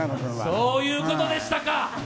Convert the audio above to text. そういうことでしたか！